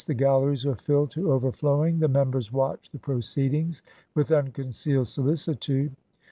The galleries were filled to over flowing; the Members watched the proceedings with unconcealed solicitude.